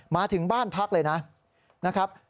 มาถึงบ้านพักเลยนะครับ